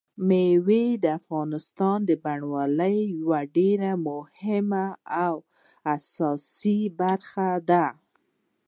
مېوې د افغانستان د بڼوالۍ یوه ډېره مهمه او اساسي برخه ده.